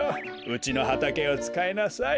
うちのはたけをつかいなさい。